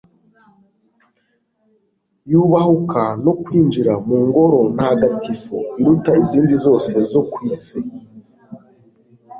yubahuka no kwinjira mu ngoro ntagatifu iruta izindi zose zo ku isi